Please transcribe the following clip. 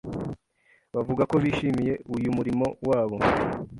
bavuga ko bishimiye uyu murimo wabo